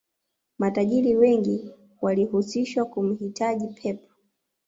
matajiri wengi walihusishwa kumhitaji pep